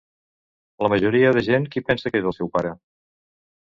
La majoria de gent qui pensa que és el seu pare?